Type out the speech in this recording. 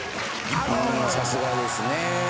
さすがですね。